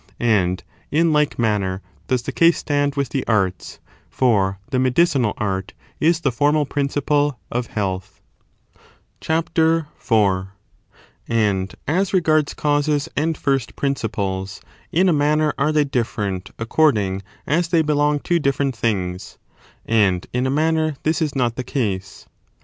And in like manner does the case stand with the arts ; for the medicinal art is the formal principle of health. CHAPTER IV. And as regards causes and first principles,^ j u^^g ^^^^ in a manner are they diflferent according as they different prin belong to diflferent things, and in a manner this ^^is not the case.